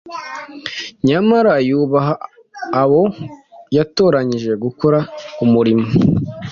nyamara yubaha abo yatoranyirije gukora umurimo